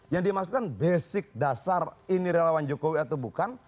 yang dimaksudkan basic dasar ini relawan jokowi atau bukan